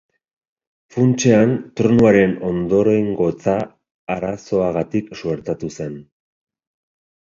Funtsean, tronuaren ondorengotza arazoagatik suertatu zen.